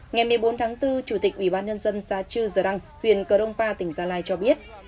ngày một mươi bốn tháng bốn chủ tịch ubnd xá chư giờ đăng huyện cờ đông pha tỉnh gia lai cho biết